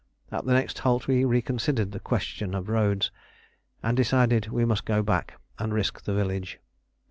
At the next halt we reconsidered the question of roads, and decided we must go back and risk the village.